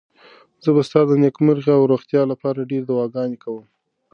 زه به ستا د نېکمرغۍ او روغتیا لپاره ډېرې دعاګانې کوم.